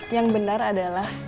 yang benar adalah